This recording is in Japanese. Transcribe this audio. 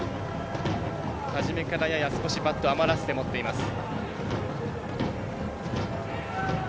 初めからややバットを余らせて持っています。